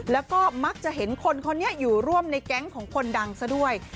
แล้วก็มักจะเห็นคนคนนี้อยู่ร่วมในแก๊งของคนดังซะด้วย